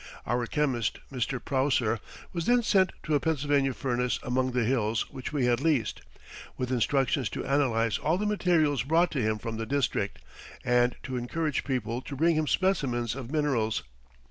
Our chemist, Mr. Prousser, was then sent to a Pennsylvania furnace among the hills which we had leased, with instructions to analyze all the materials brought to him from the district, and to encourage people to bring him specimens of minerals.